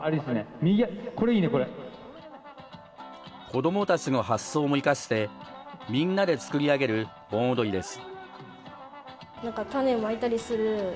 子どもたちの発想も生かして、みんなで作り上げる盆踊りです。